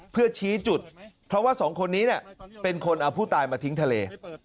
เพื่อชี้จุดเพราะว่าสองคนนี้เป็นคนเอาผู้ตายมาทิ้งทะเล